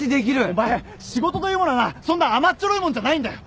お前仕事というものはなそんな甘っちょろいもんじゃないんだよ。